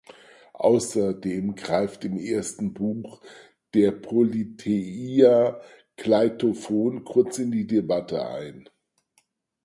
Außerdem greift im ersten Buch der "Politeia" Kleitophon kurz in die Debatte ein.